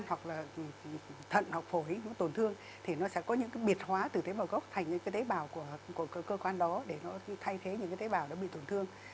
hoặc là thận hoặc phổi những tổn thương thì nó sẽ có những cái biệt hóa từ tế bào gốc thành những cái tế bào của cơ quan đó để nó thay thế những cái tế bào đã bị tổn thương